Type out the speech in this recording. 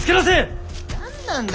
何なんだ？